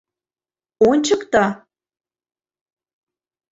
Ончыкто!